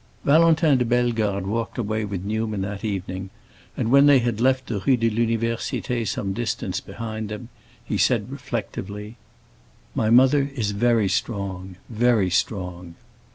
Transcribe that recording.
Valentin de Bellegarde walked away with Newman that evening, and when they had left the Rue de l'Université some distance behind them he said reflectively, "My mother is very strong—very strong."